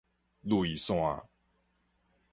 淚腺